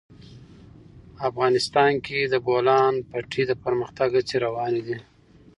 افغانستان کې د د بولان پټي د پرمختګ هڅې روانې دي.